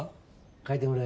かいてもらえ。